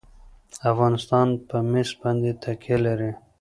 افغانستان په مس باندې تکیه لري.